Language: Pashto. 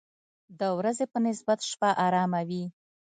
د ورځې په نسبت شپه آرامه وي.